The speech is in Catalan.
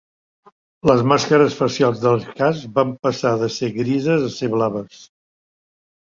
Les màscares facials dels cascs van passar de ser grises a ser blaves.